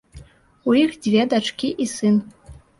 У іх дзве дачкі і сын.